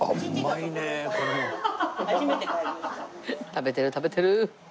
食べてる食べてる！